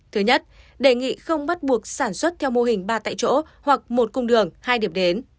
thứ nhất đề nghị không bắt buộc sản xuất theo mô hình ba tại chỗ hoặc một cung đường hai điểm đến